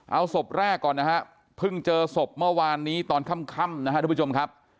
เอาศพแรกก่อนนะฮะเพิ่งเจอศพเมื่อวานนี้ตอนค่ำนะครับทุกผู้ชมครับ